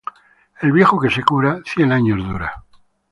El viejo que se cura, cien anos dura.